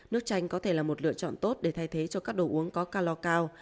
nước chanh có thể là một lựa chọn tốt để thay thế cho các đồ uống có calor cao